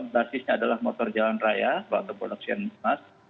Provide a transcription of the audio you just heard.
basisnya adalah motor jalan raya atau produksi emas